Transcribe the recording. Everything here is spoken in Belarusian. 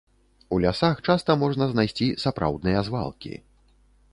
У лясах часта можна знайсці сапраўдныя звалкі.